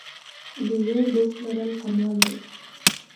د زوړ دوست لرل کمال دی.